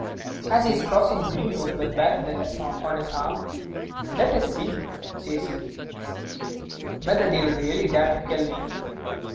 As he is crossing the greenroom with Baron d'Essen on his arm, "Let us see," says he, "whether they will really dare to kill me."